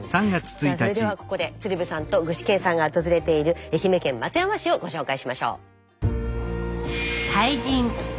さあそれではここで鶴瓶さんと具志堅さんが訪れている愛媛県松山市をご紹介しましょう。